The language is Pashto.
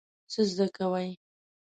څه زده کوئ؟